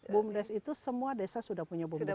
bumdes itu semua desa sudah punya bumdes